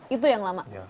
itu yang lama